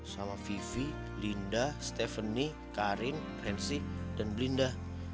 sama vivi linda stephanie karin rensi dan belinda